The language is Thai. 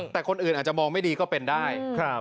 แต่คนอื่นอาจจะมองไม่ดีก็เป็นได้